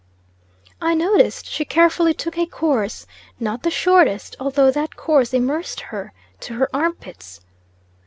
I noticed she carefully took a course, not the shortest, although that course immersed her to her armpits.